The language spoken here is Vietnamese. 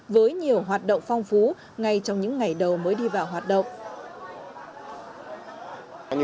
với nhiều hoạt động phong phú ngay trong những ngày đầu mới đi vào hoạt động